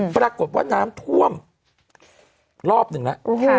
ปรากฏว่าน้ำท่วมรอบหนึ่งแล้ว